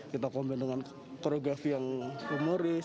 kita combine dengan koreografi yang humoris